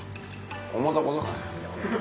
思ったことない。